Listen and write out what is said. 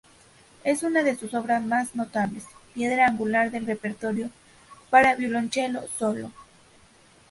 Es una de sus obras más notables, piedra angular del repertorio para violonchelo solo.